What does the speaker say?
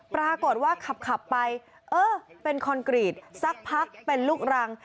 ปรากฏว่าขับไปเออเป็นคอนกรีตสักพักเป็นลูกรัง